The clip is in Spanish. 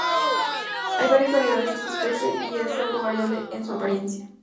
Hay varias variedades de esta especie, y es algo variable en su apariencia.